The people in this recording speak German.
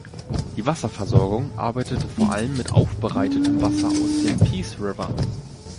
Die Wasserversorgung arbeitet vor allem mit aufbereitetem Wasser aus dem Peace River.